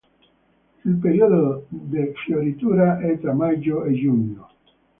Il periodo di fioritura è tra maggio e giugno.